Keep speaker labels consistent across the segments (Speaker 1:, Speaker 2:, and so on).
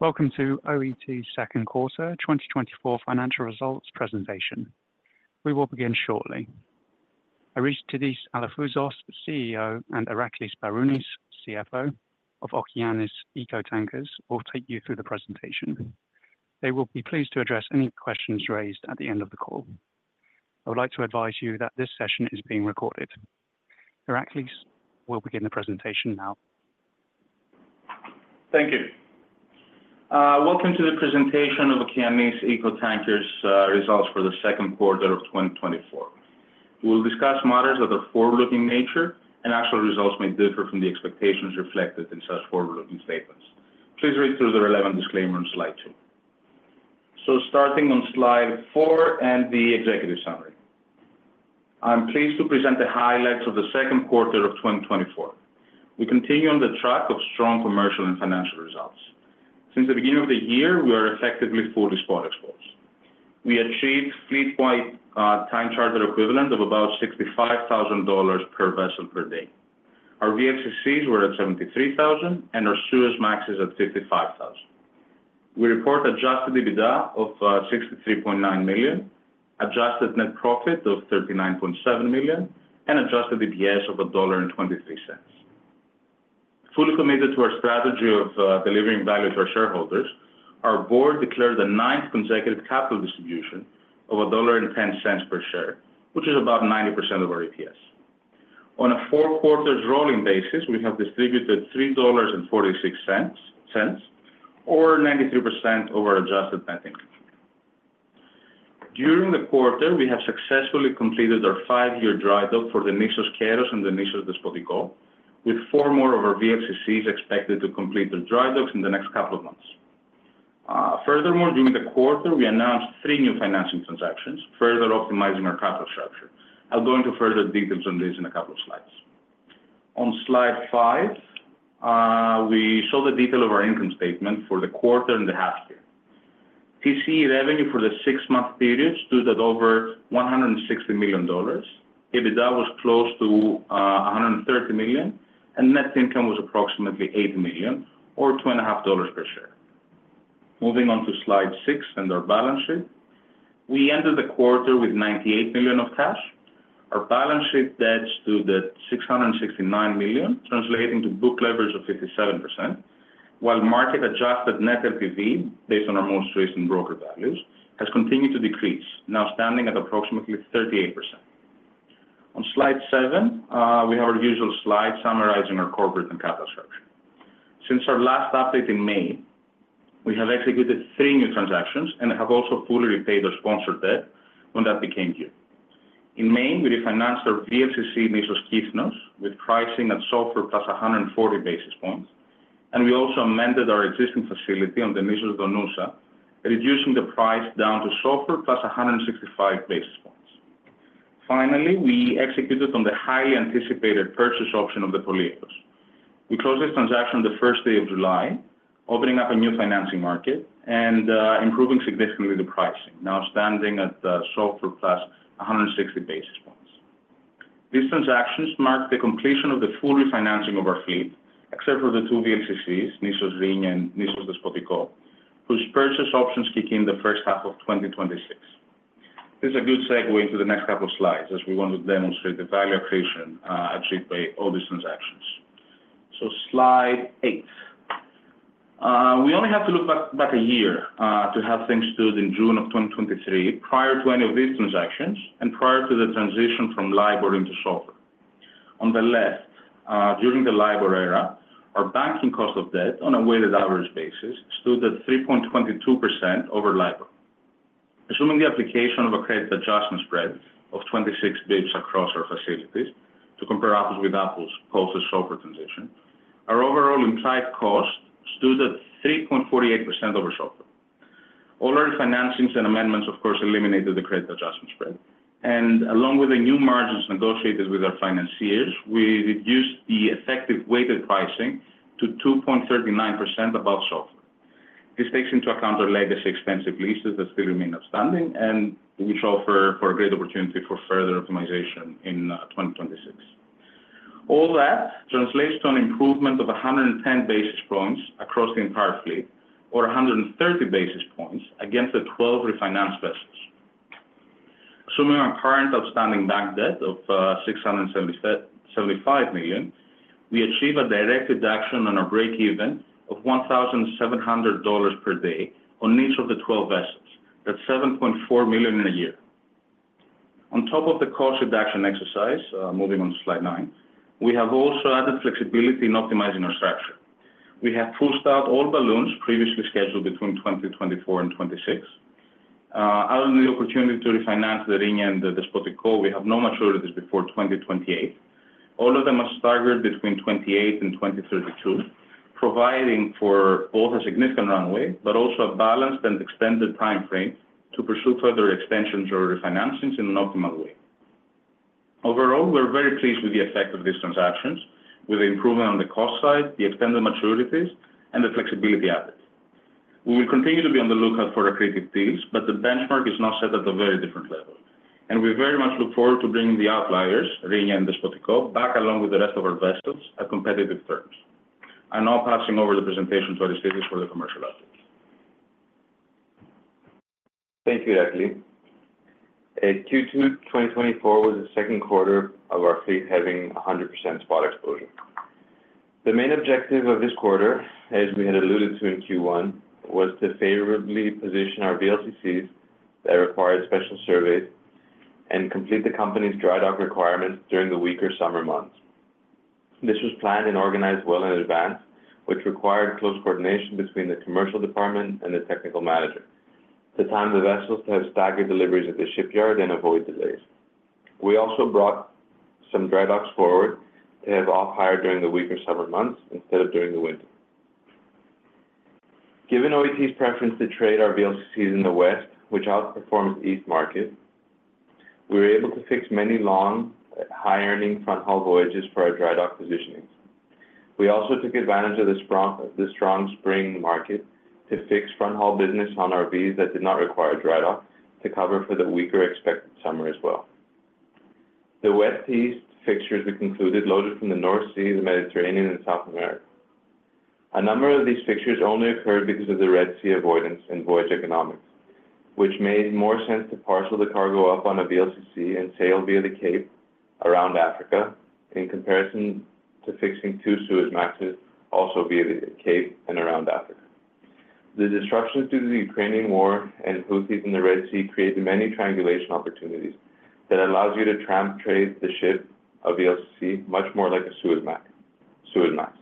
Speaker 1: Welcome to OET's second quarter 2024 financial results presentation. We will begin shortly. Aristidis Alafouzos, CEO, and Iraklis Sbarounis, CFO of Okeanis Eco Tankers, will take you through the presentation. They will be pleased to address any questions raised at the end of the call. I would like to advise you that this session is being recorded. Iraklis will begin the presentation now.
Speaker 2: Thank you. Welcome to the presentation of Okeanis Eco Tankers results for the second quarter of 2024. We'll discuss matters of a forward-looking nature, and actual results may differ from the expectations reflected in such forward-looking statements. Please read through the relevant disclaimer on slide two. Starting on slide four and the executive summary. I'm pleased to present the highlights of the second quarter of 2024. We continue on the track of strong commercial and financial results. Since the beginning of the year, we are effectively fully spot exposed. We achieved fleet-wide time charter equivalent of about $65,000 per vessel per day. Our VLCCs were at $73,000, and our Suezmaxes at $55,000. We report adjusted EBITDA of $63.9 million, adjusted net profit of $39.7 million, and adjusted EPS of $1.23. Fully committed to our strategy of delivering value to our shareholders, our board declared the ninth consecutive capital distribution of $1.10 per share, which is about 90% of our EPS. On a four-quarters rolling basis, we have distributed $3.46, or 93% over adjusted net income. During the quarter, we have successfully completed our five-year dry dock for the Nisos Kea and the Nisos Despotiko, with four more of our VLCCs expected to complete their dry docks in the next couple of months. Furthermore, during the quarter, we announced three new financing transactions, further optimizing our capital structure. I'll go into further details on this in a couple of slides. On slide five, we show the detail of our income statement for the quarter and the half year. TC revenue for the six-month period stood at over $160 million. EBITDA was close to $130 million, and net income was approximately $8 million or $2.50 per share. Moving on to slide six and our balance sheet. We ended the quarter with $98 million of cash. Our balance sheet debt stood at $669 million, translating to book leverage of 57%, while market-adjusted net LTV, based on our most recent broker values, has continued to decrease, now standing at approximately 38%. On slide seven, we have our usual slide summarizing our corporate and capital structure. Since our last update in May, we have executed three new transactions and have also fully repaid our sponsored debt when that became due. In May, we refinanced our VLCC Nisos Kythnos, with pricing at SOFR plus 140 basis points, and we also amended our existing facility on the Nisos Donousa, reducing the price down to SOFR plus 165 basis points. Finally, we executed on the highly anticipated purchase option of the Nisos Polychronis. We closed this transaction on the first day of July, opening up a new financing market and improving significantly the pricing, now standing at SOFR plus 160 basis points. These transactions mark the completion of the full refinancing of our fleet, except for the two VLCCs, Nisos Rhenia and Nisos Despotiko, whose purchase options kick in the first half of 2026. This is a good segue into the next couple of slides, as we want to demonstrate the value creation, achieved by all these transactions. Slide eight. We only have to look back a year, to how things stood in June 2023, prior to any of these transactions and prior to the transition from LIBOR into SOFR. On the left, during the LIBOR era, our banking cost of debt on a weighted average basis, stood at 3.22% over LIBOR. Assuming the application of a credit adjustment spread of 26 basis points across our facilities to compare apples with apples post the SOFR transition, our overall implied cost stood at 3.48% over SOFR. All our financings and amendments, of course, eliminated the credit adjustment spread, and along with the new margins negotiated with our financiers, we reduced the effective weighted pricing to 2.39% above SOFR. This takes into account our legacy expensive leases that still remain outstanding and which offer for a great opportunity for further optimization in 2026. All that translates to an improvement of 110 basis points across the entire fleet or 130 basis points against the twelve refinanced vessels. Assuming our current outstanding bank debt of $677.5 million, we achieve a direct reduction on our break-even of $1,700 per day on each of the twelve vessels. That's $7.4 million in a year. On top of the cost reduction exercise, moving on to slide nine, we have also added flexibility in optimizing our structure. We have pushed out all balloons previously scheduled between 2024 and 2026. Other than the opportunity to refinance the Rhenia and the Despotiko, we have no maturities before 2028. All of them are staggered between 2028 and 2032, providing for both a significant runway, but also a balanced and extended time frame to pursue further extensions or refinancings in an optimal way. Overall, we're very pleased with the effect of these transactions, with the improvement on the cost side, the extended maturities, and the flexibility added. We will continue to be on the lookout for accretive deals, but the benchmark is now set at a very different level.... We very much look forward to bringing the outliers, Rhenia and Despotiko, back along with the rest of our vessels at competitive terms. I'm now passing over the presentation to Aristidis for the commercial update.
Speaker 3: Thank you, Iraklis. Q2 2024 was the second quarter of our fleet having 100% spot exposure. The main objective of this quarter, as we had alluded to in Q1, was to favorably position our VLCCs that required special surveys, and complete the company's dry dock requirements during the weaker summer months. This was planned and organized well in advance, which required close coordination between the commercial department and the technical manager to time the vessels to have staggered deliveries at the shipyard and avoid delays. We also brought some dry docks forward to have off-hire during the weaker summer months instead of during the winter. Given OET's preference to trade our VLCCs in the West, which outperforms East market, we were able to fix many long, high-earning front haul voyages for our dry dock positionings. We also took advantage of the strong spring market to fix front-haul business on our VLCCs that did not require a dry dock to cover for the weaker expected summer as well. The West-East fixtures we concluded loaded from the North Sea, the Mediterranean and South America. A number of these fixtures only occurred because of the Red Sea avoidance and voyage economics, which made more sense to parcel the cargo up on a VLCC and sail via the Cape around Africa, in comparison to fixing two Suezmaxes, also via the Cape and around Africa. The disruptions due to the Ukrainian war and Houthis in the Red Sea created many triangulation opportunities that allows you to tramp trade the ship of VLCC, much more like a Suezmax, Suezmax.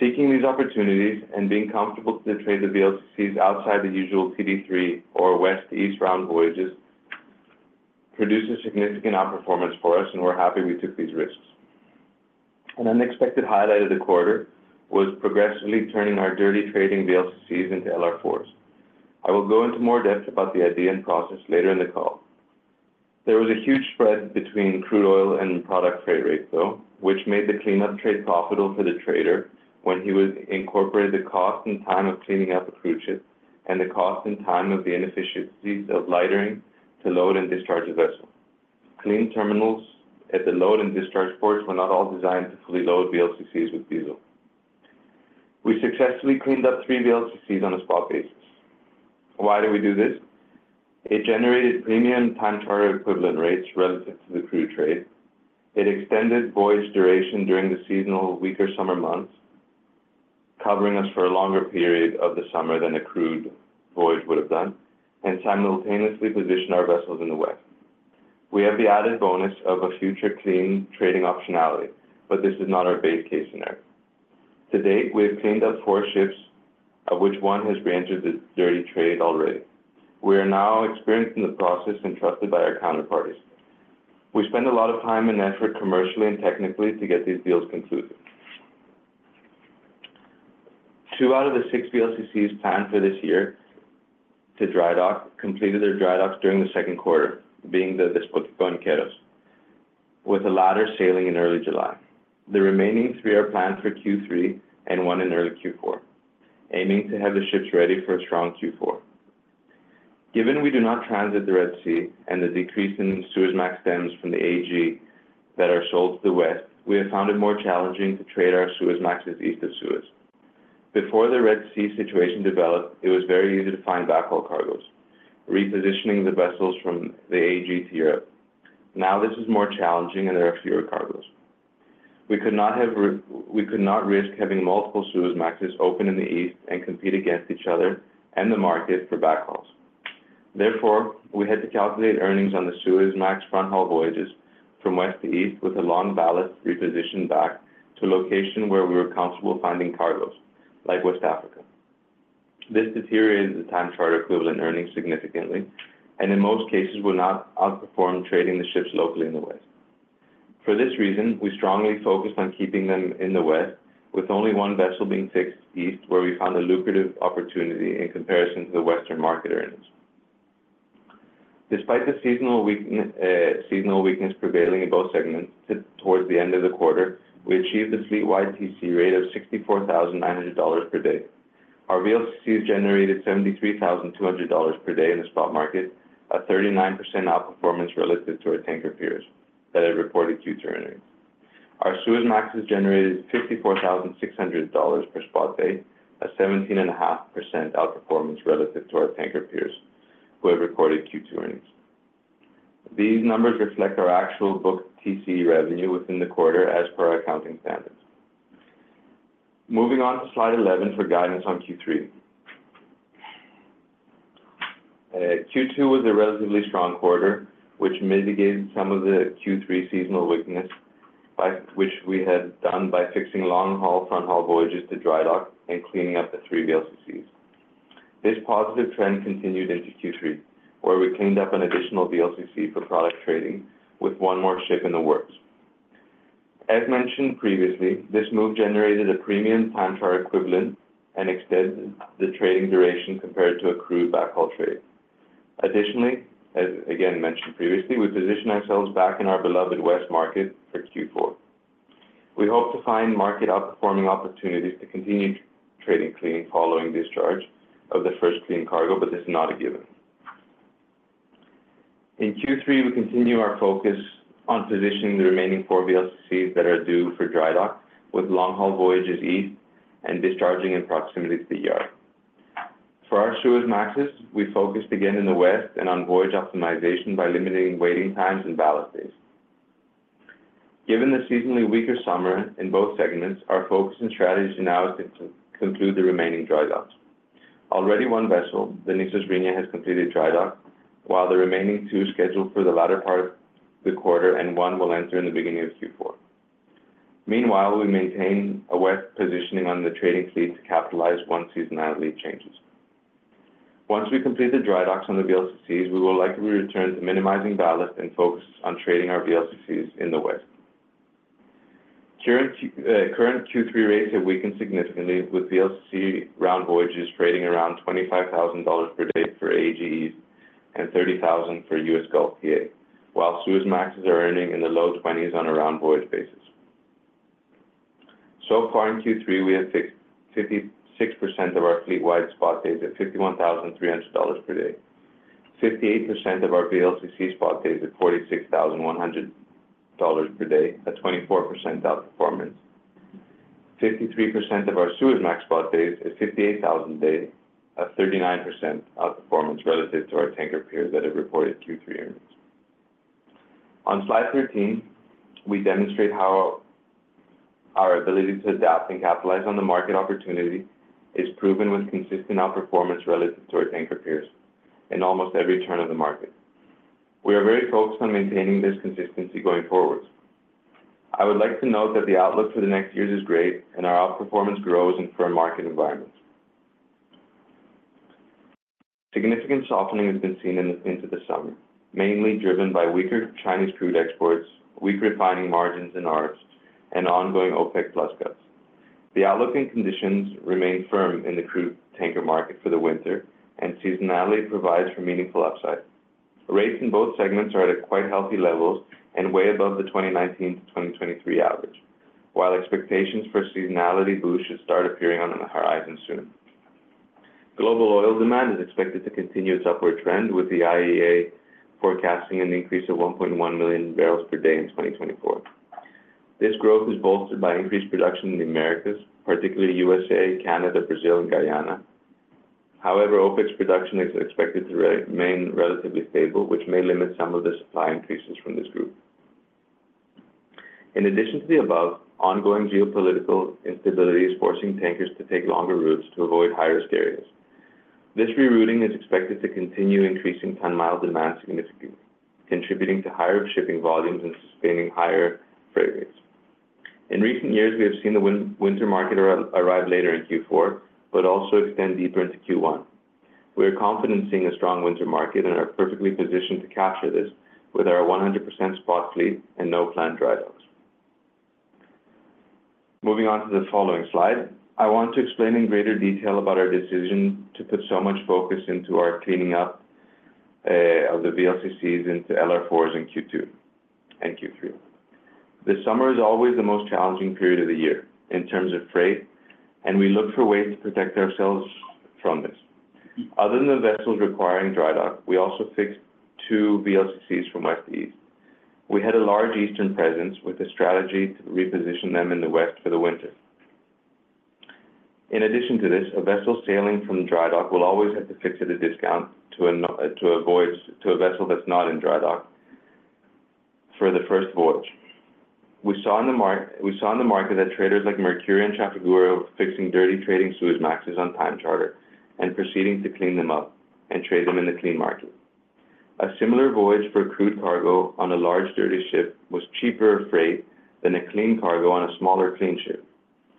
Speaker 3: Seeking these opportunities and being comfortable to trade the VLCCs outside the usual TD3 or West-East round voyages produced a significant outperformance for us, and we're happy we took these risks. An unexpected highlight of the quarter was progressively turning our dirty trading VLCCs into LR4s. I will go into more depth about the idea and process later in the call. There was a huge spread between crude oil and product freight rates, though, which made the cleanup trade profitable for the trader when he was incorporated the cost and time of cleaning up a crude ship and the cost and time of the inefficiencies of lightering to load and discharge a vessel. Clean terminals at the load and discharge ports were not all designed to fully load VLCCs with diesel. We successfully cleaned up three VLCCs on a spot basis. Why did we do this? It generated premium time charter equivalent rates relative to the crude trade. It extended voyage duration during the seasonal weaker summer months, covering us for a longer period of the summer than a crude voyage would have done, and simultaneously positioned our vessels in the West. We have the added bonus of a future clean trading optionality, but this is not our base case scenario. To date, we have cleaned up four ships, of which one has reentered the dirty trade already. We are now experienced in the process and trusted by our counterparties. We spend a lot of time and effort commercially and technically to get these deals concluded. Two out of the six VLCCs planned for this year to dry dock, completed their dry docks during the second quarter, being the Despotiko and Keros, with the latter sailing in early July. The remaining three are planned for Q3 and one in early Q4, aiming to have the ships ready for a strong Q4. Given we do not transit the Red Sea and the decrease in Suezmax stems from the AG that are sold to the West, we have found it more challenging to trade our Suezmaxes east of Suez. Before the Red Sea situation developed, it was very easy to find backhaul cargos, repositioning the vessels from the AG to Europe. Now, this is more challenging and there are fewer cargos. We could not risk having multiple Suezmaxes open in the East and compete against each other and the market for backhauls. Therefore, we had to calculate earnings on the Suezmax front haul voyages from West to East with a long ballast reposition back to a location where we were comfortable finding cargos, like West Africa. This deteriorated the time charter equivalent earnings significantly, and in most cases, will not outperform trading the ships locally in the West. For this reason, we strongly focused on keeping them in the West, with only one vessel being fixed east, where we found a lucrative opportunity in comparison to the Western market earnings. Despite the seasonal weakness prevailing in both segments towards the end of the quarter, we achieved a fleet-wide TC rate of $64,900 per day. Our VLCCs generated $73,200 per day in the spot market, a 39% outperformance relative to our tanker peers that had reported Q2 earnings. Our Suezmaxes generated $54,600 per spot day, a 17.5% outperformance relative to our tanker peers who have recorded Q2 earnings. These numbers reflect our actual booked TCE revenue within the quarter as per our accounting standards. Moving on to slide 11 for guidance on Q3. Q2 was a relatively strong quarter, which mitigated some of the Q3 seasonal weakness, by which we had done by fixing long haul, front haul voyages to dry dock and cleaning up the 3 VLCCs. This positive trend continued into Q3, where we cleaned up an additional VLCC for product trading with one more ship in the works. As mentioned previously, this move generated a premium time charter equivalent and extended the trading duration compared to a crude backhaul trade. Additionally, as again mentioned previously, we positioned ourselves back in our beloved West market for Q4. We hope to find market outperforming opportunities to continue trading clean following discharge of the first clean cargo, but this is not a given. In Q3, we continue our focus on positioning the remaining four VLCCs that are due for dry dock, with long-haul voyages east and discharging in proximity to the yard. For our Suezmaxes, we focused again in the West and on voyage optimization by limiting waiting times and ballasts. Given the seasonally weaker summer in both segments, our focus and strategy now is to conclude the remaining dry docks. Already one vessel, the Nisos Rhenia, has completed dry dock, while the remaining two are scheduled for the latter part of the quarter and one will enter in the beginning of Q4. Meanwhile, we maintain a wet positioning on the trading fleet to capitalize on seasonality changes. Once we complete the dry docks on the VLCCs, we will likely return to minimizing ballast and focus on trading our VLCCs in the West. Current Q3 rates have weakened significantly, with VLCC round voyages trading around $25,000 per day for AG East and $30,000 for US Gulf to Asia, while Suezmaxes are earning in the low $20,000s on a round voyage basis. So far in Q3, we have 56% of our fleet-wide spot days at $51,300 per day, 58% of our VLCC spot days at $46,100 per day, a 24% outperformance. 53% of our Suezmax spot days at $58,000 a day, a 39% outperformance relative to our tanker peers that have reported Q3 earnings. On slide 13, we demonstrate how our ability to adapt and capitalize on the market opportunity is proven with consistent outperformance relative to our tanker peers in almost every turn of the market. We are very focused on maintaining this consistency going forward. I would like to note that the outlook for the next years is great, and our outperformance grows in firm market environments. Significant softening has been seen going into the summer, mainly driven by weaker Chinese crude exports, weak refining margins in Asia, and ongoing OPEC+ cuts. The outlook and conditions remain firm in the crude tanker market for the winter, and seasonality provides for meaningful upside. Rates in both segments are at quite healthy levels and way above the 2019 to 2023 average, while expectations for seasonality boost should start appearing on the horizon soon. Global oil demand is expected to continue its upward trend, with the IEA forecasting an increase of 1.1 million barrels per day in 2024. This growth is bolstered by increased production in the Americas, particularly U.S.A., Canada, Brazil, and Guyana. However, OPEC's production is expected to remain relatively stable, which may limit some of the supply increases from this group. In addition to the above, ongoing geopolitical instability is forcing tankers to take longer routes to avoid high-risk areas. This rerouting is expected to continue, increasing ton-mile demand significantly, contributing to higher shipping volumes and sustaining higher freight rates. In recent years, we have seen the winter market arrive later in Q4, but also extend deeper into Q1. We are confident in seeing a strong winter market and are perfectly positioned to capture this with our 100% spot fleet and no planned dry docks. Moving on to the following slide, I want to explain in greater detail about our decision to put so much focus into our cleaning up of the VLCCs into LR4s in Q2 and Q3. The summer is always the most challenging period of the year in terms of freight, and we look for ways to protect ourselves from this. Other than the vessels requiring dry dock, we also fixed two VLCCs from our East. We had a large eastern presence with a strategy to reposition them in the West for the winter. In addition to this, a vessel sailing from dry dock will always have to fix at a discount to a vessel that's not in dry dock for the first voyage. We saw in the market that traders like Mercuria and Trafigura were fixing dirty trading Suezmaxes on time charter and proceeding to clean them up and trade them in the clean market. A similar voyage for crude cargo on a large, dirty ship was cheaper freight than a clean cargo on a smaller, clean ship.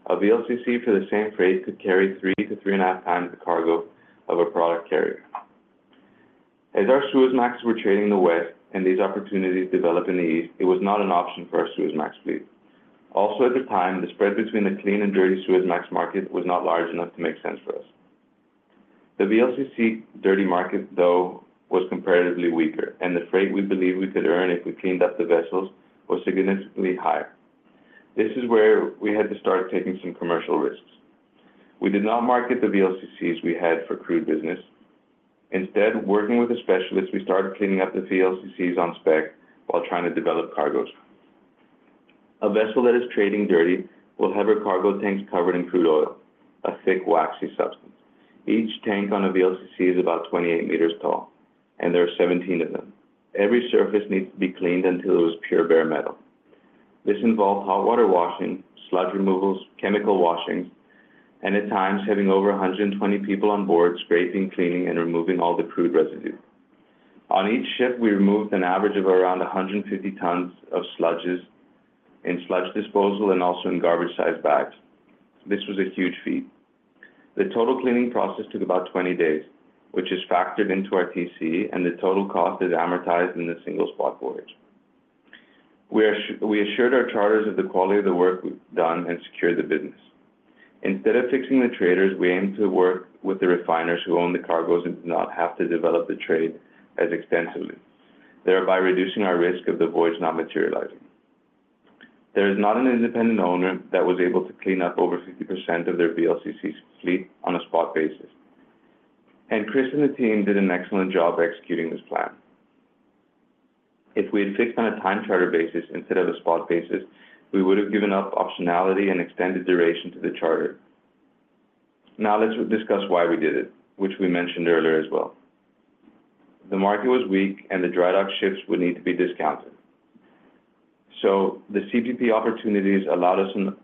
Speaker 3: A VLCC for the same freight could carry 3-3.5 times the cargo of a product carrier. As our Suezmaxes were trading in the West and these opportunities developed in the East, it was not an option for our Suezmax fleet. Also, at the time, the spread between the clean and dirty Suezmax market was not large enough to make sense for us. The VLCC dirty market, though, was comparatively weaker, and the freight we believed we could earn if we cleaned up the vessels was significantly higher. This is where we had to start taking some commercial risks. We did not market the VLCCs we had for crude business. Instead, working with a specialist, we started cleaning up the VLCCs on spec while trying to develop cargoes. A vessel that is trading dirty will have her cargo tanks covered in crude oil, a thick, waxy substance. Each tank on a VLCC is about 28 meters tall, and there are 17 of them. Every surface needs to be cleaned until it was pure, bare metal. This involves hot water washing, sludge removals, chemical washing, and at times, having over 120 people on board, scraping, cleaning, and removing all the crude residue. On each ship, we removed an average of around 150 tons of sludges in sludge disposal and also in garbage-sized bags. This was a huge feat. The total cleaning process took about 20 days, which is factored into our TC, and the total cost is amortized in the single spot voyage. We assured our charters of the quality of the work we've done and secured the business. Instead of fixing the traders, we aim to work with the refiners who own the cargoes and do not have to develop the trade as extensively, thereby reducing our risk of the voyage not materializing. There is not an independent owner that was able to clean up over 50% of their VLCC fleet on a spot basis. And Chris and the team did an excellent job executing this plan. If we had fixed on a time charter basis instead of a spot basis, we would have given up optionality and extended duration to the charter. Now, let's discuss why we did it, which we mentioned earlier as well. The market was weak, and the dry dock ships would need to be discounted. So the CPP opportunities allowed us to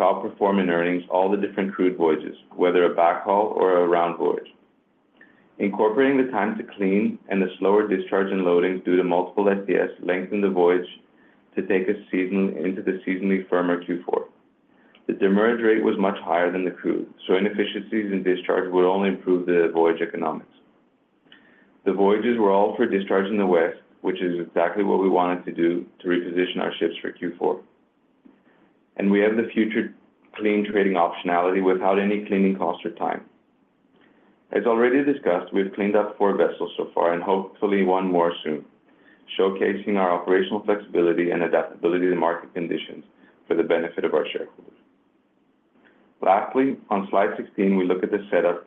Speaker 3: outperform in earnings all the different crude voyages, whether a backhaul or a round voyage. Incorporating the time to clean and the slower discharge and loading due to multiple STS lengthened the voyage to take a season into the seasonally firmer Q4. The demurrage rate was much higher than the crude, so inefficiencies in discharge would only improve the voyage economics. The voyages were all for discharge in the West, which is exactly what we wanted to do to reposition our ships for Q4.We have the future clean trading optionality without any cleaning cost or time. As already discussed, we've cleaned up four vessels so far, and hopefully one more soon, showcasing our operational flexibility and adaptability to market conditions for the benefit of our shareholders. Lastly, on slide 16, we look at the setup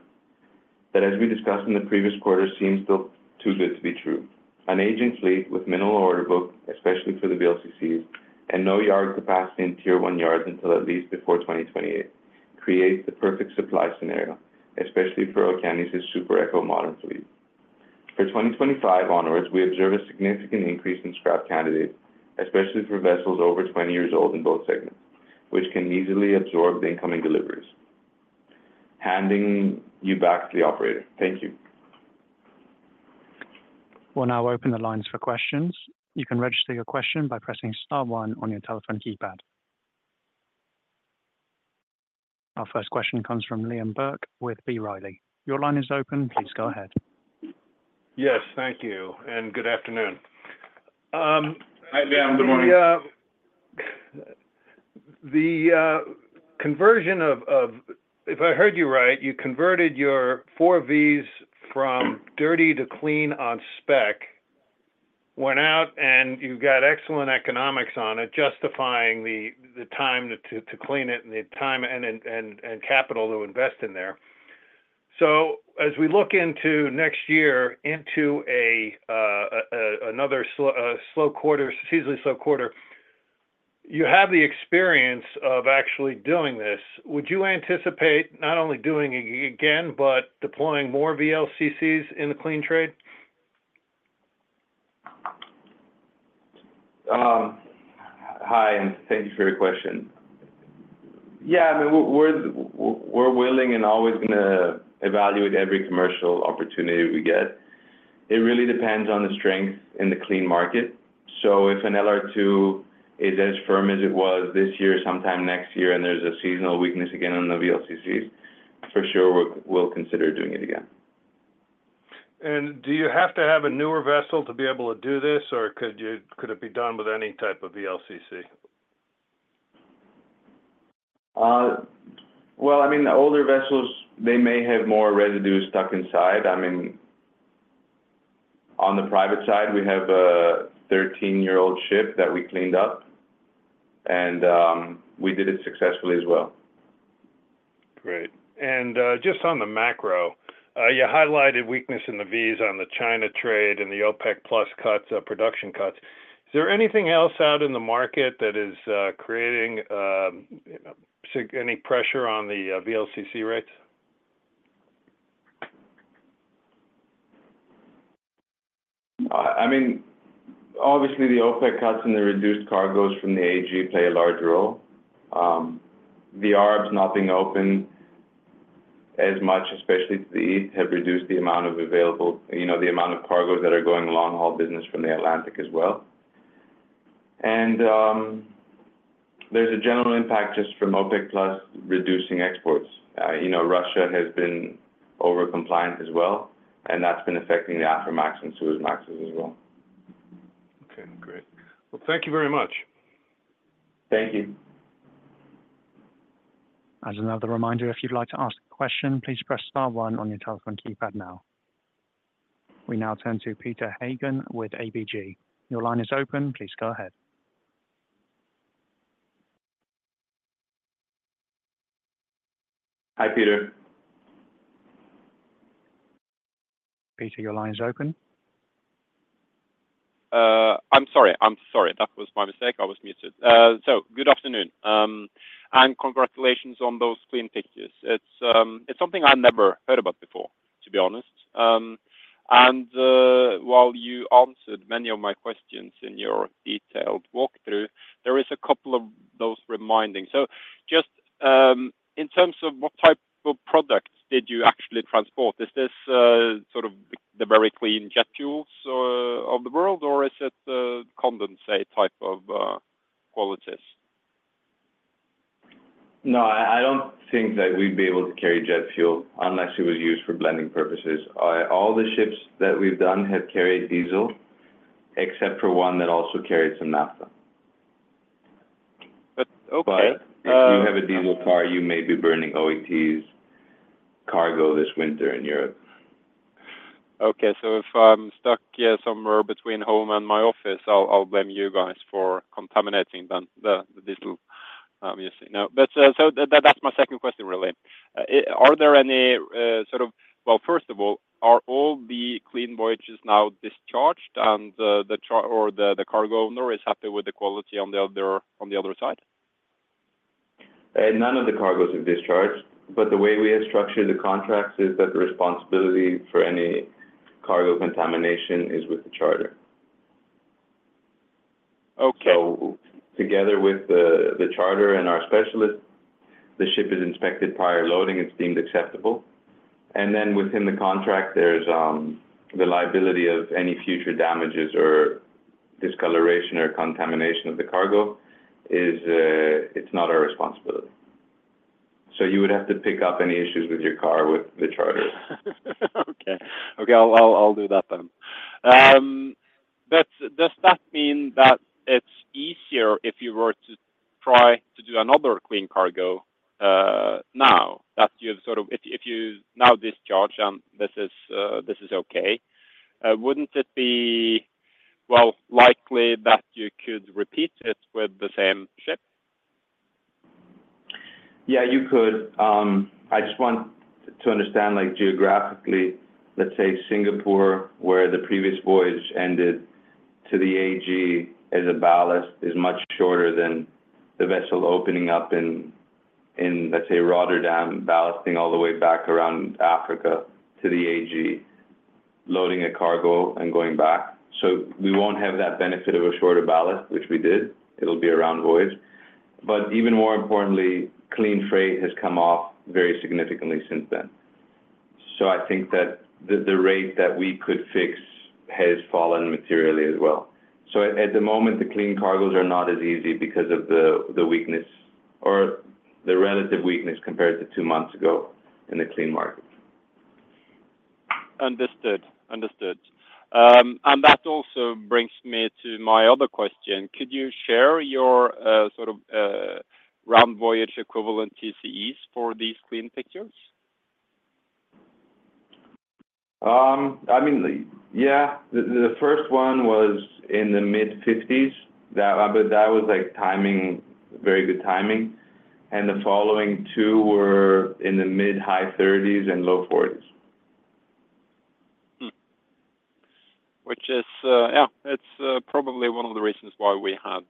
Speaker 3: that, as we discussed in the previous quarter, seems still too good to be true. An aging fleet with minimal order book, especially for the VLCCs, and no yard capacity in Tier One yards until at least before 2028, creates the perfect supply scenario, especially for Okeanis' super eco-modern fleet. For 2025 onwards, we observe a significant increase in scrap candidates, especially for vessels over 20 years old in both segments, which can easily absorb the incoming deliveries. Handing you back to the operator. Thank you.
Speaker 1: We'll now open the lines for questions. You can register your question by pressing star one on your telephone keypad. Our first question comes from Liam Burke with B. Riley. Your line is open. Please go ahead.
Speaker 4: Yes, thank you and good afternoon.
Speaker 3: Hi, Liam. Good morning.
Speaker 4: The conversion of, if I heard you right, you converted your four Vs from dirty to clean on spec, went out, and you got excellent economics on it, justifying the time to clean it and the time and capital to invest in there. So as we look into next year, into another slow quarter, seasonally slow quarter, you have the experience of actually doing this. Would you anticipate not only doing it again, but deploying more VLCCs in the clean trade?
Speaker 3: Hi, and thank you for your question. Yeah, I mean, we're willing and always going to evaluate every commercial opportunity we get. It really depends on the strength in the clean market. So if an LR2 is as firm as it was this year, sometime next year, and there's a seasonal weakness again on the VLCCs, for sure, we'll consider doing it again.
Speaker 4: Do you have to have a newer vessel to be able to do this, or could it be done with any type of VLCC?
Speaker 3: Well, I mean, the older vessels, they may have more residue stuck inside. I mean, on the product side, we have a 13-year-old ship that we cleaned up, and we did it successfully as well.
Speaker 4: Great. And, just on the macro, you highlighted weakness in the Vs on the China trade and the OPEC+ cuts, production cuts. Is there anything else out in the market that is creating any pressure on the VLCC rates?
Speaker 3: I mean, obviously, the OPEC cuts and the reduced cargoes from the AG play a large role. The Arabs not being open as much, especially to the East, have reduced the amount of available, you know, the amount of cargoes that are going long-haul business from the Atlantic as well. And, there's a general impact just from OPEC+ reducing exports. You know, Russia has been over compliant as well, and that's been affecting the Aframax and Suezmaxes as well.
Speaker 4: Okay, great. Well, thank you very much.
Speaker 3: Thank you.
Speaker 1: As another reminder, if you'd like to ask a question, please press star one on your telephone keypad now. We now turn to Petter Haugen with ABG. Your line is open. Please go ahead.
Speaker 3: Hi, Petter.
Speaker 1: Petter, your line is open.
Speaker 5: I'm sorry. I'm sorry. That was my mistake. I was muted. So good afternoon, and congratulations on those clean fixtures. It's, it's something I never heard about before, to be honest. And while you answered many of my questions in your detailed walkthrough, there is a couple of those reminding. So just, in terms of what type of products did you actually transport, is this sort of the very clean jet fuels of the world, or is it a condensate type of qualities?
Speaker 3: No, I don't think that we'd be able to carry jet fuel unless it was used for blending purposes. All the ships that we've done have carried diesel, except for one that also carried some naphtha.
Speaker 5: Okay,
Speaker 3: If you have a diesel car, you may be burning OET's cargo this winter in Europe.
Speaker 5: Okay, so if I'm stuck, yeah, somewhere between home and my office, I'll blame you guys for contaminating the diesel, you see. Now, but, so that's my second question, really. Well, first of all, are all the clean voyages now discharged, and the cargo owner is happy with the quality on the other side?
Speaker 3: None of the cargoes have discharged, but the way we have structured the contracts is that the responsibility for any cargo contamination is with the charter.
Speaker 5: Okay.
Speaker 3: So together with the charterer and our specialist, the ship is inspected prior to loading. It's deemed acceptable, and then within the contract, there's the liability of any future damages or discoloration or contamination of the cargo. It's not our responsibility. So you would have to pick up any issues with your charterer, with the charterer.
Speaker 5: Okay. Okay, I'll do that then. But does that mean that it's easier if you were to try to do another clean cargo now that you've sort of—if you now discharge and this is okay, wouldn't it be well likely that you could repeat it with the same ship?
Speaker 3: Yeah, you could. I just want to understand, like geographically, let's say Singapore, where the previous voyage ended to the AG as a ballast is much shorter than the vessel opening up in, let's say, Rotterdam, ballasting all the way back around Africa to the AG, loading a cargo and going back. So we won't have that benefit of a shorter ballast, which we did. It'll be a round voyage, but even more importantly, clean freight has come off very significantly since then. So I think that the rate that we could fix has fallen materially as well. So at the moment, the clean cargoes are not as easy because of the weakness or the relative weakness compared to two months ago in the clean market.
Speaker 5: Understood. Understood. And that also brings me to my other question. Could you share your sort of round voyage equivalent TCEs for these clean fixtures?
Speaker 3: I mean, yeah, the first one was in the mid-50s. But that was like timing, very good timing, and the following two were in the mid, high 30s and low 40s.
Speaker 5: Which is, yeah, it's probably one of the reasons why we had.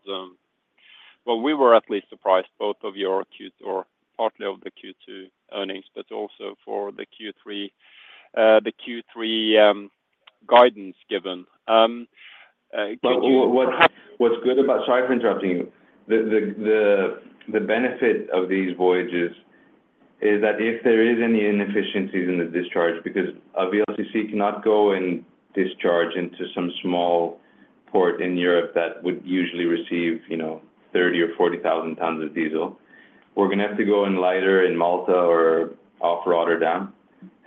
Speaker 5: Well, we were at least surprised both of your Q2 or partly of the Q2 earnings, but also for the Q3, the Q3 guidance given. Could you-
Speaker 3: But what's good about—sorry for interrupting you. The benefit of these voyages is that if there is any inefficiencies in the discharge, because a VLCC cannot go and discharge into some small port in Europe, that would usually receive, you know, 30,000 or 40,000 tons of diesel. We're gonna have to go in lighter in Malta or off Rotterdam,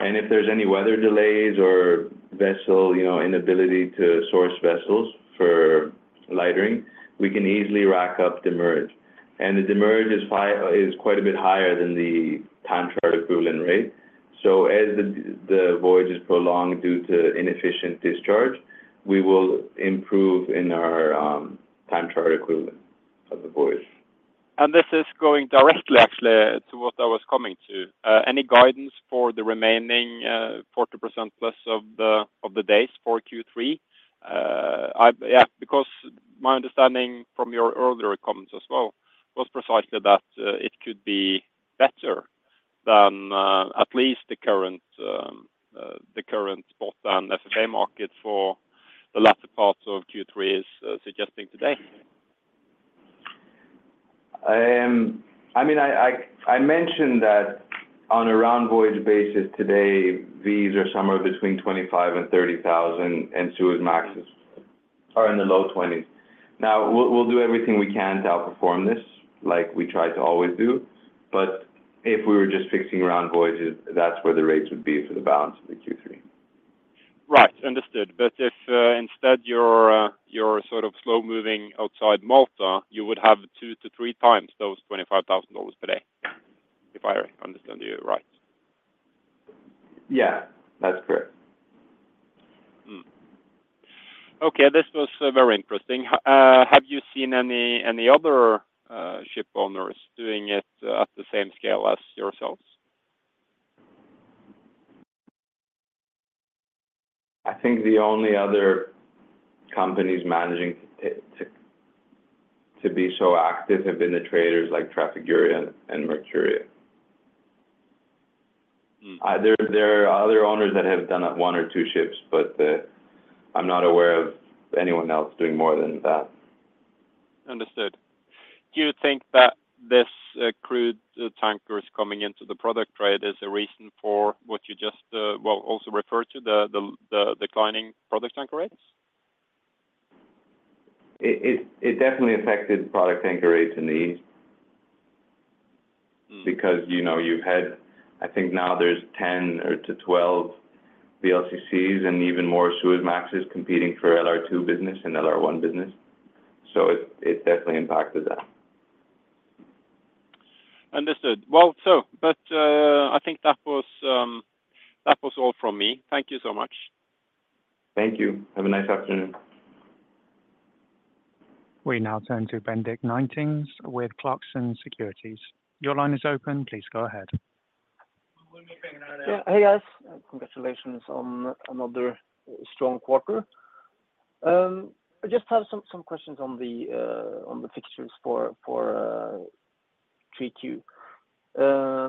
Speaker 3: and if there's any weather delays or vessel, you know, inability to source vessels for lightering, we can easily rack up demurrage. And the demurrage is high, is quite a bit higher than the time charter equivalent rate. So as the voyage is prolonged due to inefficient discharge, we will improve in our time charter equivalent of the voyage.
Speaker 5: And this is going directly actually to what I was coming to. Any guidance for the remaining 40% plus of the days for Q3? Yeah, because my understanding from your earlier comments as well was precisely that, it could be better than at least the current the current spot and SFA market for the latter parts of Q3 is suggesting today.
Speaker 3: I mean, I mentioned that on a round voyage basis today, these are somewhere between $25,000 and $30,000, and Suezmaxes are in the low $20,000s. Now, we'll do everything we can to outperform this, like we try to always do, but if we were just fixing round voyages, that's where the rates would be for the balance of the Q3.
Speaker 5: Right. Understood. But if instead you're sort of slow moving outside Malta, you would have 2-3 times those $25,000 per day, if I understand you right?
Speaker 3: Yeah, that's correct.
Speaker 5: Okay, this was very interesting. Have you seen any other shipowners doing it at the same scale as yourselves?
Speaker 3: I think the only other companies managing to be so active have been the traders like Trafigura and Mercuria.
Speaker 5: Hmm.
Speaker 3: There are other owners that have done it one or two ships, but, I'm not aware of anyone else doing more than that.
Speaker 5: Understood. Do you think that this, crude tankers coming into the product trade is a reason for what you just, well, also referred to the declining product tanker rates?
Speaker 3: It definitely affected product tanker rates in the East. Because, you know, you've had, I think now there's 10 or 12 VLCCs and even more Suezmaxes competing for LR2 business and LR1 business. So it definitely impacted that.
Speaker 5: Understood. Well, but, I think that was all from me. Thank you so much.
Speaker 3: Thank you. Have a nice afternoon.
Speaker 1: We now turn to Bendik Nyttingnes with Clarksons Securities. Your line is open. Please go ahead.
Speaker 6: Hey, guys. Congratulations on another strong quarter. I just have some questions on the fixtures for Q3.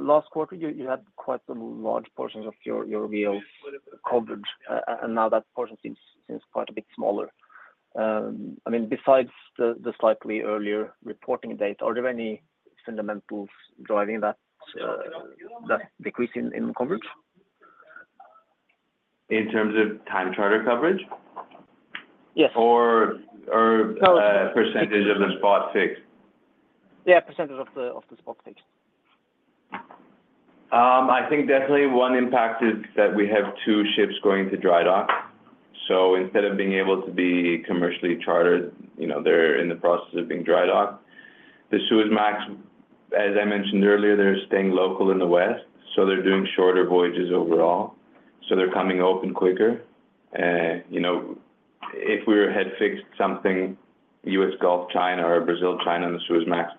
Speaker 6: Last quarter, you had quite a large portion of your vessels covered, and now that portion seems quite a bit smaller. I mean, besides the slightly earlier reporting date, are there any fundamentals driving that decrease in coverage?
Speaker 3: In terms of time charter coverage?
Speaker 6: Yes.
Speaker 3: Or, or, uh-
Speaker 6: No...
Speaker 3: percentage of the spot fixed?
Speaker 6: Yeah, percentage of the spot fixed.
Speaker 3: I think definitely one impact is that we have two ships going to dry dock. So instead of being able to be commercially chartered, you know, they're in the process of being dry docked. The Suezmax, as I mentioned earlier, they're staying local in the West, so they're doing shorter voyages overall, so they're coming open quicker. You know, if we had fixed something, US Gulf, China, or Brazil, China, and the Suezmax,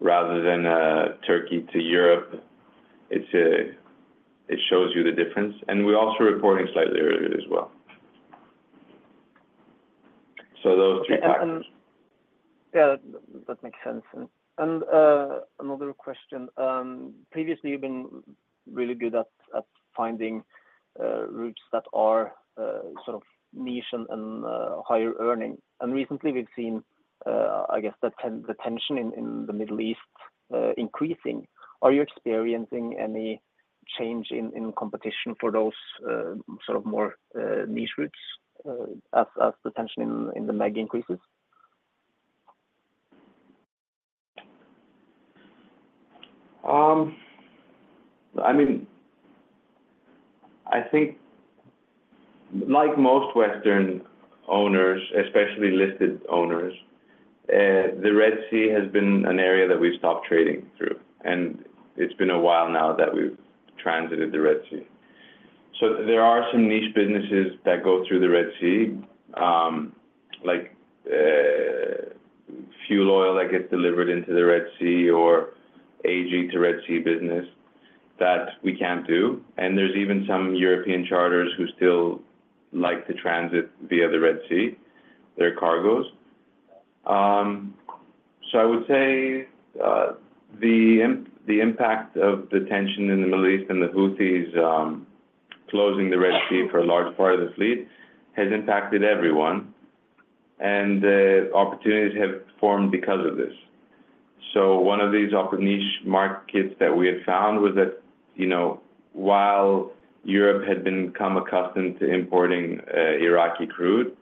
Speaker 3: rather than Turkey to Europe, it's, it shows you the difference. And we're also reporting slightly earlier as well. So those three factors.
Speaker 6: Yeah, that makes sense. Another question, previously, you've been really good at finding routes that are sort of niche and higher earning. And recently, we've seen, I guess, the tension in the Middle East increasing. Are you experiencing any change in competition for those sort of more niche routes as the tension in the MAG increases?
Speaker 3: I mean, I think like most Western owners, especially listed owners, the Red Sea has been an area that we've stopped trading through, and it's been a while now that we've transited the Red Sea. So there are some niche businesses that go through the Red Sea, like, fuel oil that gets delivered into the Red Sea or AG to Red Sea business that we can't do. And there's even some European charters who still like to transit via the Red Sea, their cargos. So I would say, the impact of the tension in the Middle East and the Houthis, closing the Red Sea for a large part of the fleet, has impacted everyone, and, opportunities have formed because of this. So one of these off niche markets that we had found was that, you know, while Europe had become accustomed to importing Iraqi crude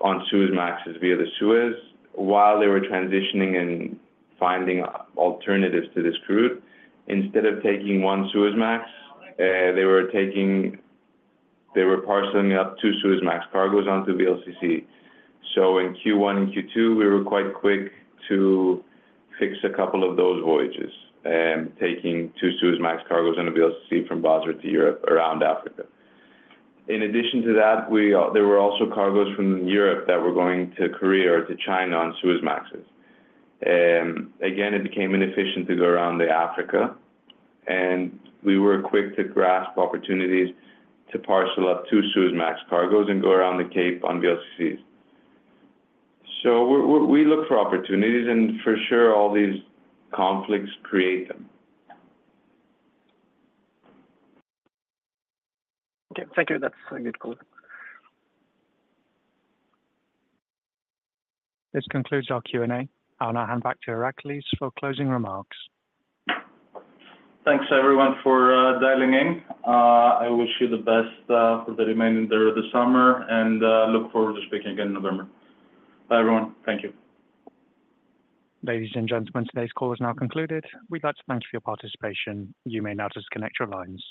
Speaker 3: on Suezmaxes via the Suez, while they were transitioning and finding alternatives to this crude, instead of taking one Suezmax, they were taking—they were parceling up two Suezmax cargos onto VLCC. So in Q1 and Q2, we were quite quick to fix a couple of those voyages, taking two Suezmax cargos on a VLCC from Basra to Europe, around Africa. In addition to that, we—there were also cargos from Europe that were going to Korea or to China on Suezmaxes. Again, it became inefficient to go around Africa, and we were quick to grasp opportunities to parcel up two Suezmax cargos and go around the Cape on VLCCs. So we look for opportunities, and for sure, all these conflicts create them.
Speaker 6: Okay, thank you. That's a good call.
Speaker 1: This concludes our Q&A. I'll now hand back to Iraklis for closing remarks.
Speaker 3: Thanks, everyone, for dialing in. I wish you the best for the remaining of the summer, and look forward to speaking again in November. Bye, everyone. Thank you.
Speaker 1: Ladies and gentlemen, today's call is now concluded. We'd like to thank you for your participation. You may now disconnect your lines.